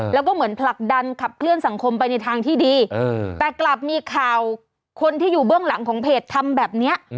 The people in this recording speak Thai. แล้วก็เหมือนผลักดันขับเคลื่อนสังคมไปในทางที่ดีแต่กลับมีข่าวคนที่อยู่เบื้องหลังของเพจทำแบบนี้